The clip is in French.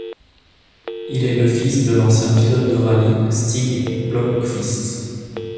Il est le fils de l'ancien pilote de rallye Stig Blomqvist.